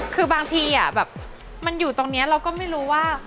คือบางทีแบบมันอยู่ตรงนี้เราก็ไม่รู้ว่า